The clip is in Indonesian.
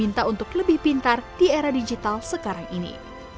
diminta untuk lebih pintar di era digital sekarang ini